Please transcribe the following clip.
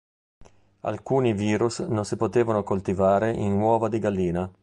Alcuni virus non si potevano coltivare in uova di gallina.